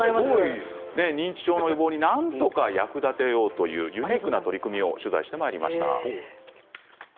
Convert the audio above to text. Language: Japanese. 認知症予防になんとか役立てようというユニークな取り組みを取材してきました。